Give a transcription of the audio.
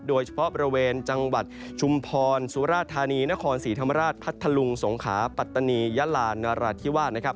โดยเฉพาะบริเวณจังหวัดชุมพรสุราธานีนครศรีธรรมราชพัทธลุงสงขาปัตตานียะลานราธิวาสนะครับ